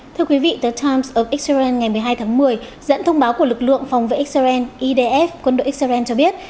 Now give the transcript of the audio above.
thưa quý vị the times ở israel ngày một mươi hai tháng một mươi dẫn thông báo của lực lượng phòng vệ israel idf quân đội israel cho biết